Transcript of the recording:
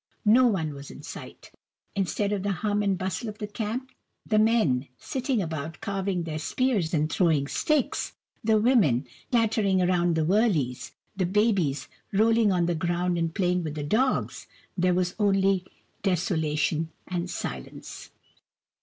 No one was in sight ; instead of the hum and bustle of the camp, the men sitting about carving their spears and throwing sticks, the women chattering round the wurleys, the babies rolling on the ground and playing with the dogs, there was only desola tion and silence.